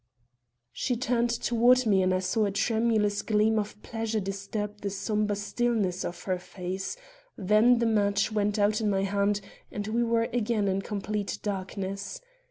She turned toward me and I saw a tremulous gleam of pleasure disturb the somber stillness of her face; then the match went out in my hand, and we were again in complete darkness.